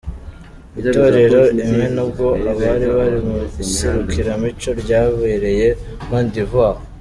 Itorero Imena ubwo bari bari mu iserukiramuco ryabereye Cote d' Ivoir.